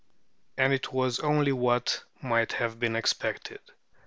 And it was only what might have been expected.